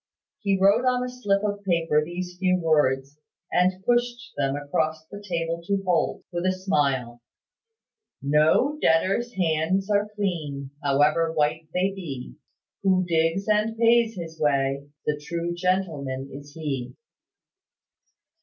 He wrote on a slip of paper these few words, and pushed them across the table to Holt, with a smile: "No debtor's hands are clean, however white they be: Who digs and pays his way the true gentleman is he."